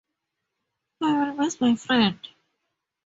I will miss my friend.